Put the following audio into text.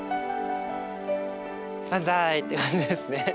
バンザイ！って感じですね。